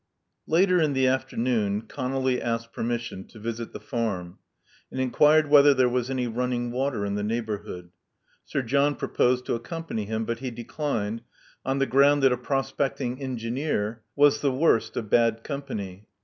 Later in the afternoon, Conolly asked permission to visit the farm, and inquired whether there was any running water in the neighborhood. Sir John pro posed to accompany him; but he declined, on the grotmd that a prospecting engineer was the worst of Love Among the Artists 299 bad company.